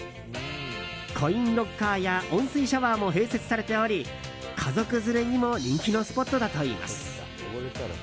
コインロッカーや温水シャワーも併設されており家族連れにも人気のスポットだといいます。